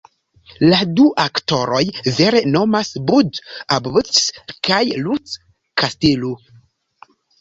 La du aktoroj vere nomas Bud Abbott kaj Lou Castello.